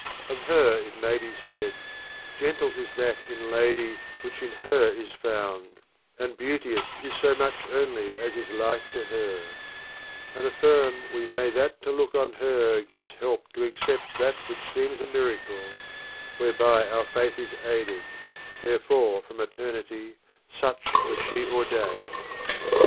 Of her it may be said : Gentle is that hi lady which in her is found ; and beauteous is so much only as is like to ^r^^,;,!,, And affirm we may that to look on her gives helpi t. ft toaccept that which seems a miracle; where by our faith is aided ; therefore from eternity such was she ordained.